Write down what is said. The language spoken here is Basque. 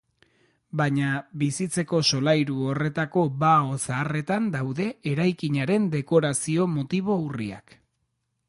Baina, bizitzeko solairu horretako bao zaharretan daude eraikinaren dekorazio-motibo urriak.